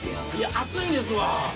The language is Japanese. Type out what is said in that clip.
熱いんですわ！